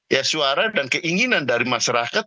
ya suara dan keinginan dari masyarakat